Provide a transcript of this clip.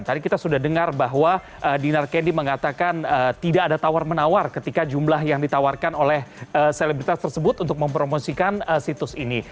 tadi kita sudah dengar bahwa dinar kendi mengatakan tidak ada tawar menawar ketika jumlah yang ditawarkan oleh selebritas tersebut untuk mempromosikan situs ini